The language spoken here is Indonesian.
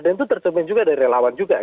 dan itu terjemahin juga dari lawan juga kan